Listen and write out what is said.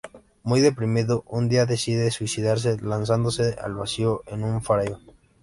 Muy deprimido, un día decide suicidarse, lanzándose al vacío en un farallón.